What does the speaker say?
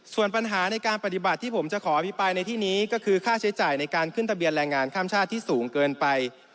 ส่วนปัญหาในการปฏิบัติที่ผมจะขออภิปรายในที่นี้ก็คือค่าใช้จ่ายในการขึ้นทะเบียนแรงงานข้ามชาติที่สูงเกินไป